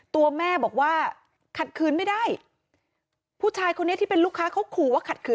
ตัวแม่บอกว่าขัดขืนไม่ได้ผู้ชายคนนี้ที่เป็นลูกค้าเขาขู่ว่าขัดขืน